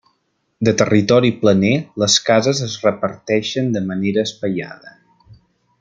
De territori planer, les cases es reparteixen de manera espaiada.